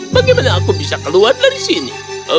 bagaimana aku bisa keluar dari sini